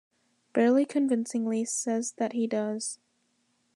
Barley convincingly says that he does.